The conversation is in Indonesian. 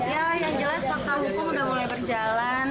ya yang jelas fakta hukum sudah mulai berjalan